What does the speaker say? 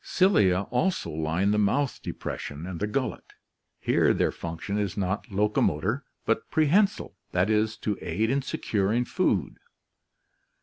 Cilia also line the mouth depression and the gullet. Here their function is not locomo tor but prehensile, that is, to aid in securing food.